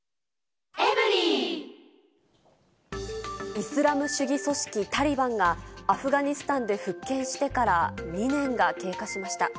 イスラム主義組織タリバンが、アフガニスタンで復権してから２年が経過しました。